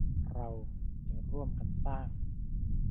เราจะร่วมกันสร้าง